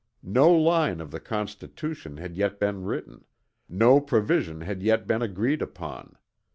No line of the Constitution had yet been written; no provision had yet been agreed upon.